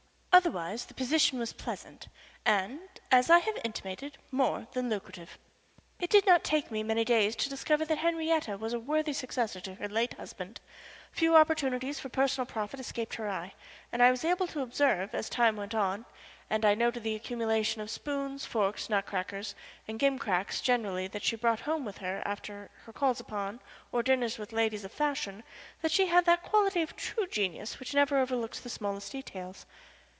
Otherwise the position was pleasant, and, as I have intimated, more than lucrative. It did not take me many days to discover that Henriette was a worthy successor to her late husband. Few opportunities for personal profit escaped her eye, and I was able to observe as time went on and I noted the accumulation of spoons, forks, nutcrackers, and gimcracks generally that she brought home with her after her calls upon or dinners with ladies of fashion that she had that quality of true genius which never overlooks the smallest details.